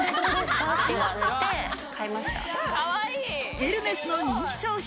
エルメスの人気商品